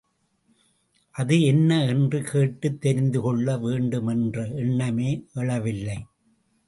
அது என்ன என்று கேட்டுத் தெரிந்துகொள்ள வேண்டுமென்ற எண்ணமே எழவில்லை.